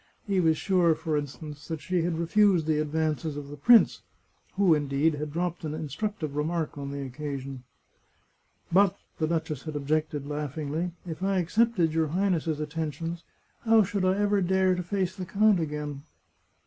He was sure, for instance, that she had refused the advances of the prince, who, indeed, had dropped an instructive remark on the occasion. " But," the duchess had objected laughingly, " if I ac cepted your Highness's attentions, how should I ever dare to face the count again ?